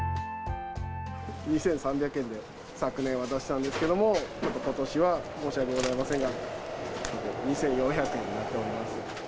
２３００円で昨年は出したんですけれども、ことしは申し訳ございませんが、２４００円になっております。